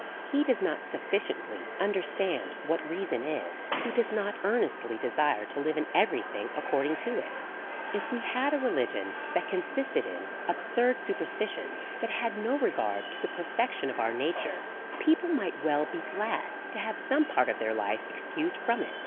He does not sufficiently understand what reason is^ who does not earnestly desire to live in every thing ac cording to it. If we had a religion that consisted in absurd super stitions, that had no regard to the perfection of our nature, people might well be glad to have some part of their life excused from it.